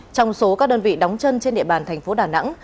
trong số các đơn vị đóng chân trên địa bàn thành phố đà nẵng